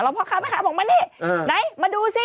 พ่อค้าแม่ค้าบอกมานี่ไหนมาดูสิ